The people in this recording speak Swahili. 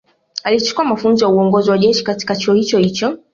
Alichukua mafunzo ya uongozi wa jeshi katika chuo hicho hicho